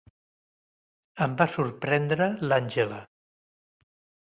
Em va sorprendre l'Angela.